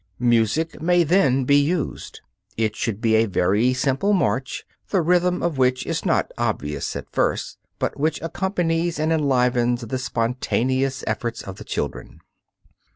Music may then be used. It should be a very simple march, the rhythm of which is not obvious at first, but which accompanies and enlivens the spontaneous efforts of the children.